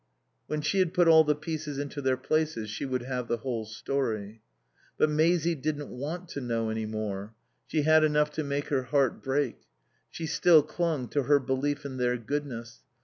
When she had put all the pieces into their places she would have the whole story. But Maisie didn't want to know any more. She had enough to make her heart break. She still clung to her belief in their goodness.